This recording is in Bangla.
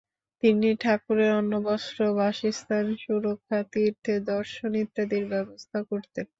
তিনি ঠাকুরের অন্নবস্ত্র, বাসস্থান, সুরক্ষা, তীর্থে দর্শন ইত্যাদির ব্যবস্থা করতেন।